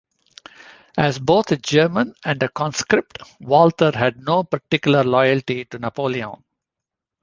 As both a German and a conscript, Walter had no particular loyalty to Napoleon.